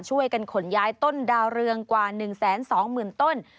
ช่วยกันขนย้ายต้นดาวเรืองกว่า๑๒๐๐๐ต้น